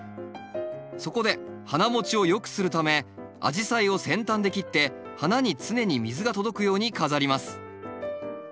そこで花もちをよくするためアジサイを先端で切って花に常に水が届くように飾ります。